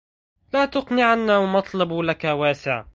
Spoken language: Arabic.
لا تقنعن ومطلب لك واسع